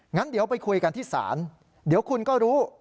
งั้นเดี๋ยวไปคุยกันที่ศาลเดี๋ยวคุณก็รู้